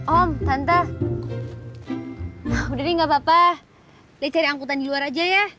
om tante udah nih nggak apa apa lihat cari angkutan di luar aja ya